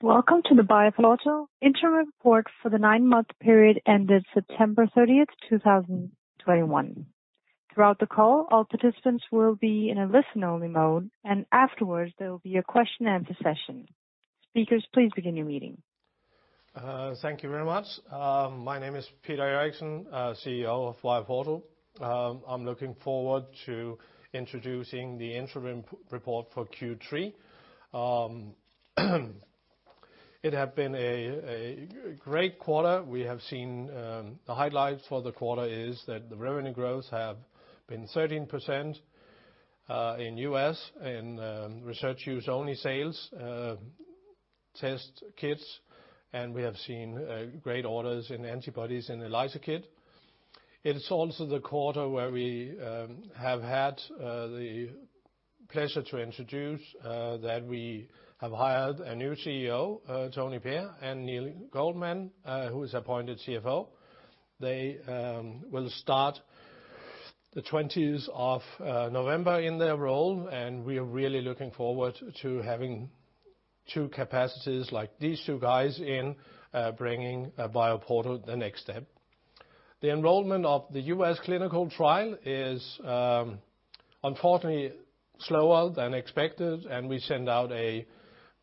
Welcome to the BioPorto interim report for the nine-month period ended September 30th, 2021. Throughout the call, all participants will be in a listen-only mode, and afterwards there will be a question answer session. Speakers, please begin your meeting. Thank you very much. My name is Peter Mørch Eriksen, CEO of BioPorto. I'm looking forward to introducing the interim report for Q3. It has been a great quarter. We have seen the highlights for the quarter is that the revenue growth has been 13% in U.S. in research use only sales test kits, and we have seen great orders in antibodies in ELISA kit. It is also the quarter where we have had the pleasure to introduce that we have hired a new CEO, Tony Pare, and Neil Goldman, who is appointed CFO. They will start the 20s of November in their role, and we are really looking forward to having two capacities like these two guys in bringing BioPorto to the next step. The enrollment of the U.S. clinical trial is unfortunately slower than expected, and we send out a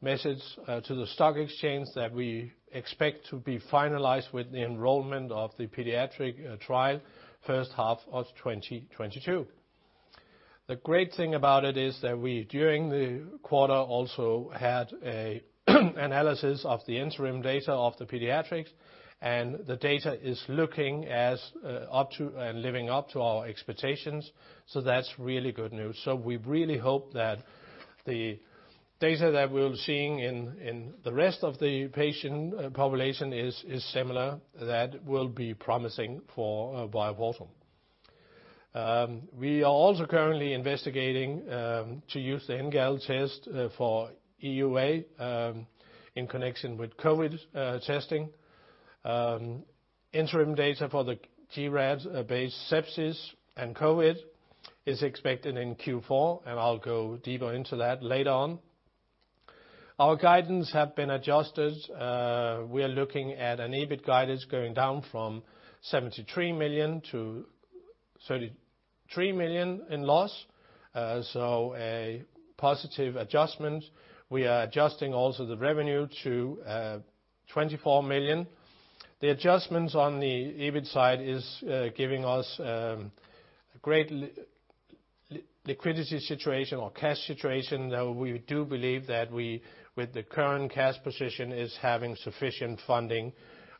message to the stock exchange that we expect to be finalized with the enrollment of the pediatric trial first half of 2022. The great thing about it is that we, during the quarter, also had an analysis of the interim data of the pediatric, and the data is looking as up to and living up to our expectations, so that's really good news. We really hope that the data that we're seeing in the rest of the patient population is similar that will be promising for BioPorto. We are also currently investigating to use the NGAL test for EUA in connection with COVID testing. Interim data for the gRAD-based sepsis and COVID is expected in Q4, and I'll go deeper into that later on. Our guidance have been adjusted. We are looking at an EBIT guidance going down from 73 million to 33 million in loss, so a positive adjustment. We are adjusting also the revenue to 24 million. The adjustments on the EBIT side is giving us great liquidity situation or cash situation. Now we do believe that we, with the current cash position is having sufficient funding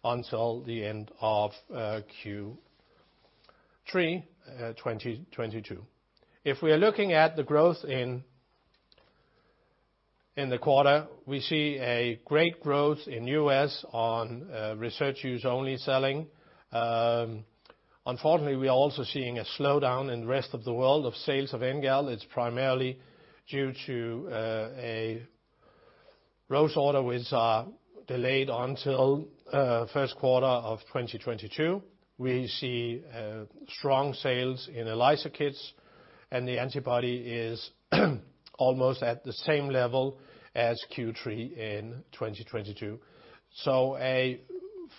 until the end of Q3 2022. If we are looking at the growth in the quarter, we see a great growth in U.S. on research use only selling. Unfortunately we are also seeing a slowdown in rest of the world of sales of NGAL. It's primarily due to a gross order which are delayed until first quarter of 2022. We see strong sales in ELISA kits, and the antibody is almost at the same level as Q3 in 2022. A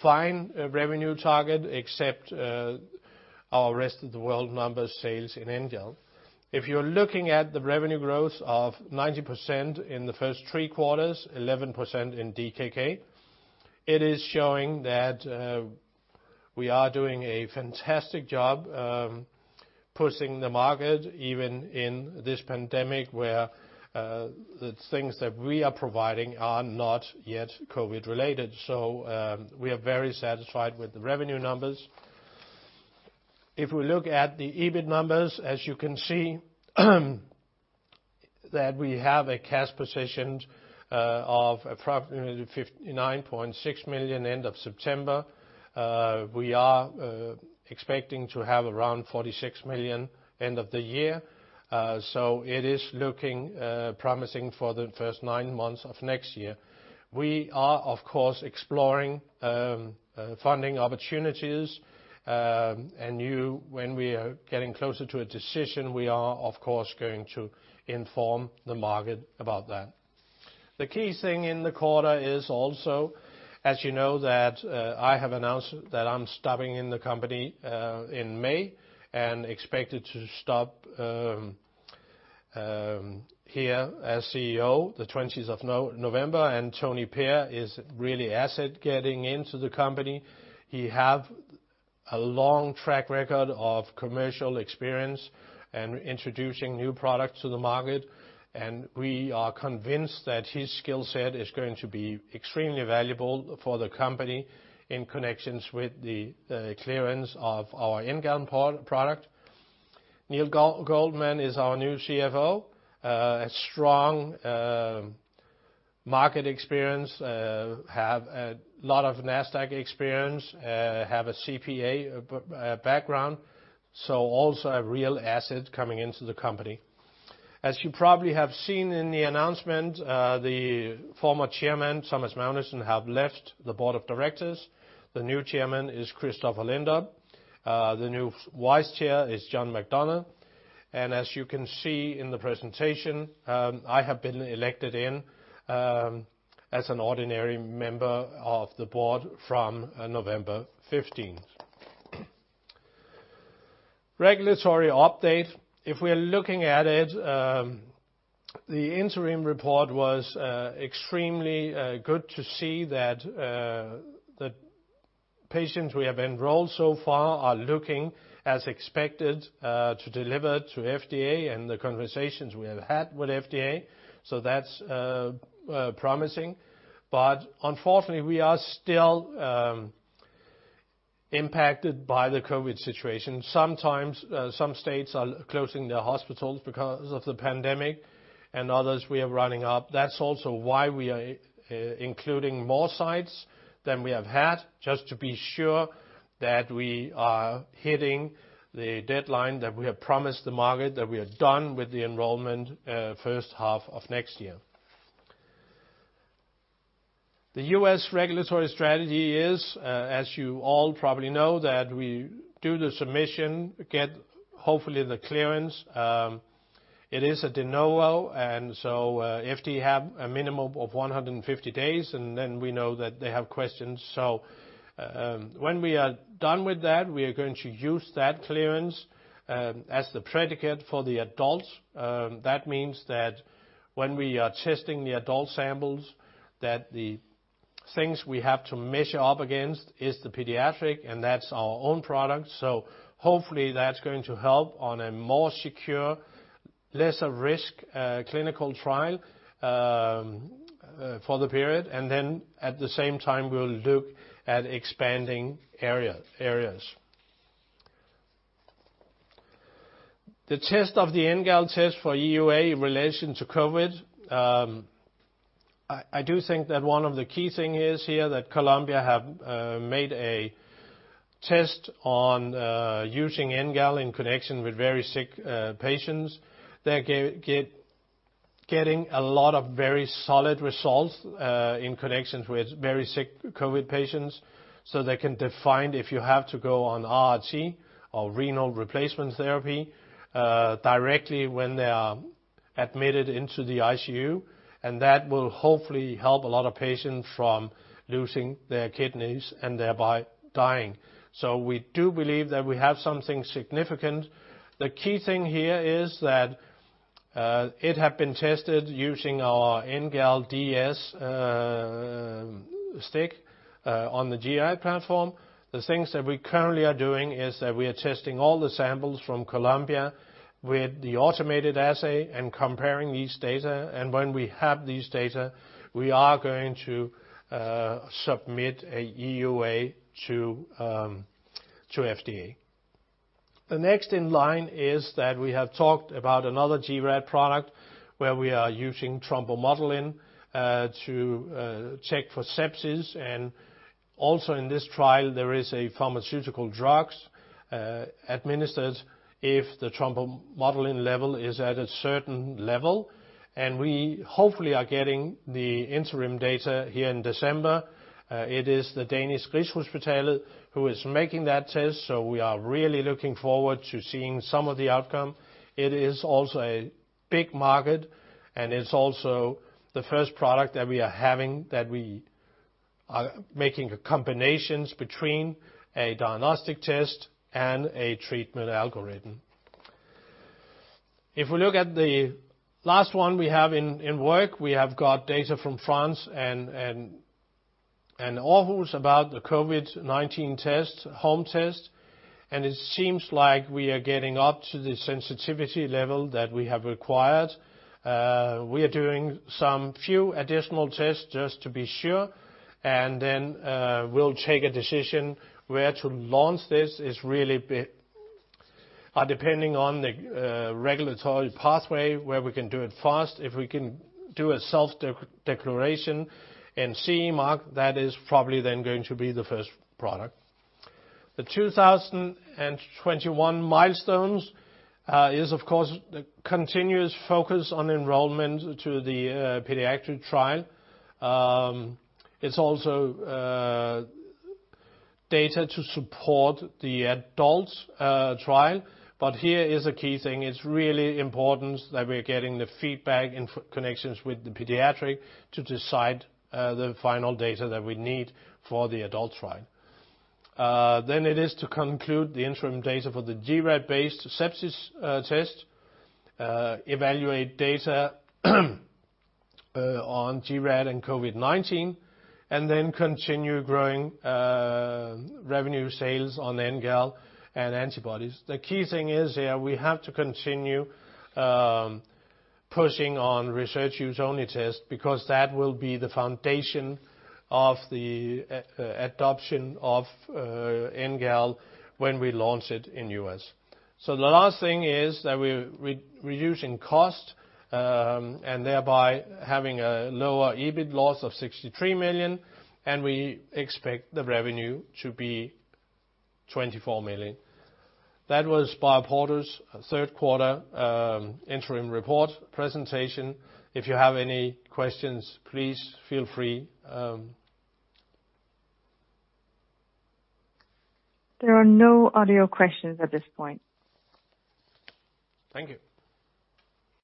fine revenue target, except our rest of the world number sales in NGAL. If you're looking at the revenue growth of 90% in the first three quarters, 11% in DKK, it is showing that we are doing a fantastic job pushing the market, even in this pandemic, where the things that we are providing are not yet COVID related. We are very satisfied with the revenue numbers. If we look at the EBIT numbers, as you can see, that we have a cash position of approximately 59.6 million end of September. We are expecting to have around 46 million end of the year, so it is looking promising for the first nine months of next year. We are, of course, exploring funding opportunities, and when we are getting closer to a decision, we are of course going to inform the market about that. The key thing in the quarter is also, as you know, that I have announced that I'm stopping in the company in May, and expected to stop here as CEO the 20th of November, and Tony Pare is really set to get into the company. He has a long track record of commercial experience and introducing new products to the market, and we are convinced that his skill set is going to be extremely valuable for the company in connection with the clearance of our NGAL ProNephro product. Neil Goldman is our new CFO. A strong market experience, have a lot of Nasdaq experience, have a CPA background, so also a real asset coming into the company. As you probably have seen in the announcement, the former chairman, Thomas Magnussen, has left the board of directors. The new chairman is Christopher Lindop. The new vice chair is John McDonough. As you can see in the presentation, I have been elected as an ordinary member of the board from November 15th. Regulatory update. If we are looking at it, the interim report was extremely good to see that the patients we have enrolled so far are looking as expected to deliver to FDA and the conversations we have had with FDA. That's promising. Unfortunately, we are still impacted by the COVID situation. Sometimes some states are closing their hospitals because of the pandemic, and others we are running. That's also why we are including more sites than we have had, just to be sure that we are hitting the deadline that we have promised the market that we are done with the enrollment first half of next year. The U.S. regulatory strategy is, as you all probably know, that we do the submission, get hopefully the clearance. It is a de novo, if they have a minimum of 150 days, and then we know that they have questions. When we are done with that, we are going to use that clearance as the predicate for the adults. That means that when we are testing the adult samples, that the things we have to measure up against is the pediatric, and that's our own product. Hopefully, that's going to help on a more secure, lesser risk clinical trial for the period. At the same time, we'll look at expanding areas. The test of the NGAL test for EUA in relation to COVID. I do think that one of the key thing is here that Columbia have made a test on using NGAL in connection with very sick patients. They're getting a lot of very solid results in connection with very sick COVID patients, so they can define if you have to go on RRT or renal replacement therapy directly when they are admitted into the ICU. That will hopefully help a lot of patients from losing their kidneys and thereby dying. We do believe that we have something significant. The key thing here is that it had been tested using our NGALds stick on the GI platform. The things that we currently are doing is that we are testing all the samples from Columbia with the automated assay and comparing these data. When we have these data, we are going to submit a EUA to FDA. The next in line is that we have talked about another gRAD product where we are using thrombomodulin to check for sepsis. Also in this trial, there is a pharmaceutical drugs administered if the thrombomodulin level is at a certain level. We hopefully are getting the interim data here in December. It is the Danish Rigshospitalet who is making that test, so we are really looking forward to seeing some of the outcome. It is also a big market, and it's also the first product that we are having that we are making combinations between a diagnostic test and a treatment algorithm. If we look at the last one we have in work, we have got data from France and Aarhus about the COVID-19 test, home test, and it seems like we are getting up to the sensitivity level that we have required. We are doing some few additional tests just to be sure, and then we'll take a decision where to launch this. It's really depending on the regulatory pathway where we can do it fast. If we can do a self-declaration and CE mark, that is probably then going to be the first product. The 2021 milestones is of course the continuous focus on enrollment to the pediatric trial. It's also data to support the adults trial. Here is a key thing. It's really important that we're getting the feedback in connection with the pediatric to decide the final data that we need for the adult trial. It is to conclude the interim data for the gRAD-based sepsis test, evaluate data on gRAD and COVID-19, and continue growing revenue sales on NGAL and antibodies. The key thing is here we have to continue pushing on research use only test because that will be the foundation of the adoption of NGAL when we launch it in U.S. The last thing is that we're reducing cost and thereby having a lower EBIT loss of 63 million, and we expect the revenue to be 24 million. That was BioPorto's third quarter interim report presentation. If you have any questions, please feel free. There are no audio questions at this point. Thank you.